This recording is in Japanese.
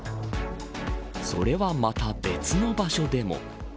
それはまた、別の場所でも。